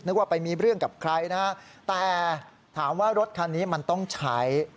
ว่าไปมีเรื่องกับใครนะฮะแต่ถามว่ารถคันนี้มันต้องใช้